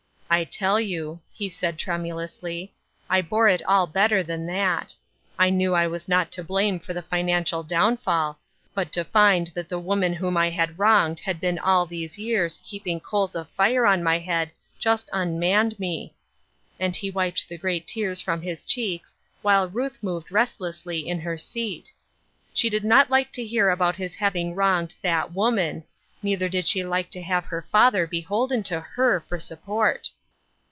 " I tell you," he said, trem ulously, " I bore it all better than that. I knew I was not to blame for the financial downfall, but to find that the woman whom I had wronged had been all these years heaping coals of fire on my head just unmanned me," and he wiped the great tears from his cheeks, while Ruth moved restlessly in her seat. She did not like to hear about his having wronged " that woman," nei ther did she like to have her father beholden to her for support.